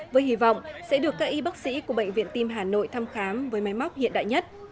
với hy vọng sẽ được các y bác sĩ của bệnh viện tim hà nội thăm khám với máy móc hiện đại nhất